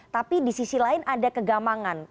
tapi di sisi lain ada kegamangan